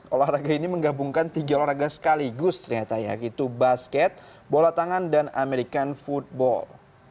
olahraga ini menggabungkan tiga olahraga sekaligus ternyata ya yaitu basket bola tangan dan american football